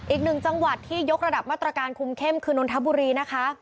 อีกหนึ่งจังหวัดที่ยกระดับมาตรการคุมเข้มคือนนทบุรีนะคะ